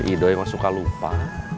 ido yang masuk kalupa